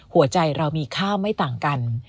หัวใจเรามีค่าไม่ต่างกัน